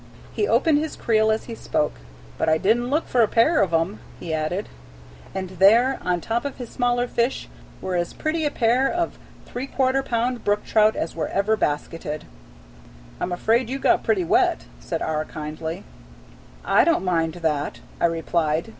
He opened his creel as he spoke. "But I did n't look for a pair of 'em," he added. And there, on top of his smaller fish, were as pretty a pair of three quarter pound brook trout as were ever basketed. "I 'm afraid you got pretty wet," said R. kindly. "I don't mind that," I replied.